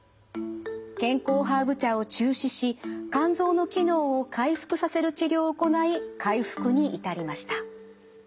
健康ハーブ茶を中止し肝臓の機能を回復させる治療を行い回復に至りました。